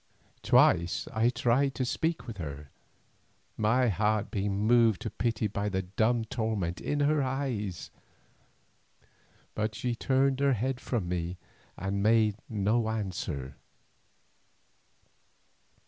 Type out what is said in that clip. Twice I tried to speak with her, my heart being moved to pity by the dumb torment in her eyes, but she turned her head from me and made no answer.